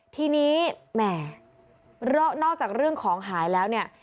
ทีนี้แหมนอกจากเรื่องของหายแล้วเนี่ย